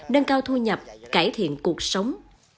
nâng cao thu nhập cải thiện cuộc sống